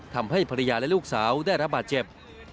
ทำให้ภรรยาและลูกสาวได้รับบาดเจ็บ